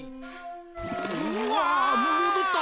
うわもどった！